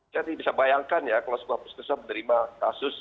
jadi bisa bayangkan ya kalau semua puskesmas menerima kasus